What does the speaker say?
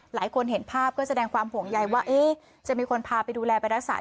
หลายคนเห็นภาพก็แสดงความห่วงใยว่าจะมีคนพาไปดูแลไปรักษา